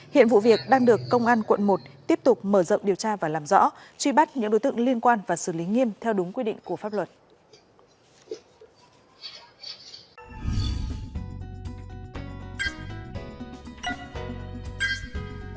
hiện vụ việc đang được công an quận một tiếp tục mở rộng điều tra và làm rõ truy bắt những đối tượng liên quan và xử lý nghiêm theo đúng quy định của pháp luật